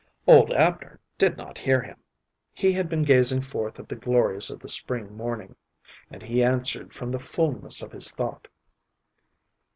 Old Abner did not hear him. He had been gazing forth at the glories of the spring morning, and he answered from the fulness of his thought.